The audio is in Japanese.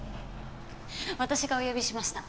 私がお呼びしました。